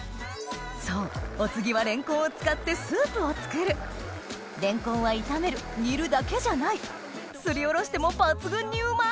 そうお次はレンコンを使ってスープを作るレンコンは炒める煮るだけじゃないすりおろしても抜群にうまい！